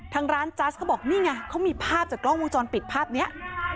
ทางร้านจัสเขาบอกนี่ไงเขามีภาพจากกล้องวงจรปิดภาพนี้